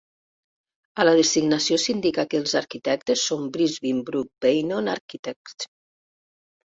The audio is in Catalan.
A la designació s"indica que els arquitectes són Brisbin Brook Beynon Architects.